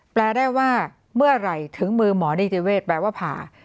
ได้ว่าเมื่อไหร่ถึงมือหมอนิติเวศแปลว่าผ่า